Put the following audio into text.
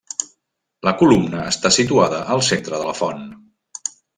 La columna està situada al centre de la font.